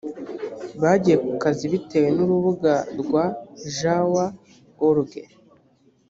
bagiye ku kazi bitewe n urubuga rwa jw org